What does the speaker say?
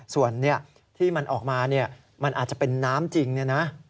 ส่วนที่มันออกมามันอาจจะเป็นน้ำจริงเนี่ยนะ